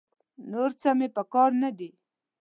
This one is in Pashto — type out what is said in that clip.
نور څه مې په کار نه دي.